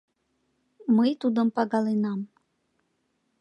Мый тудым пагаленам.